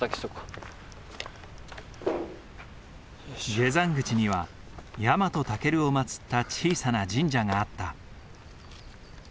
下山口にはヤマトタケルを祭った小さな神社があった。